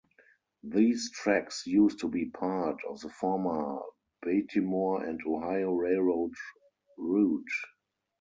These tracks used to be part of the former Batimore and Ohio Railroad route.